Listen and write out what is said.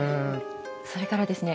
それからですね